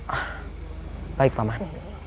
ah baik paman